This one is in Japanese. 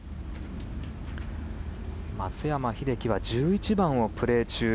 松山英樹は１１番をプレー中。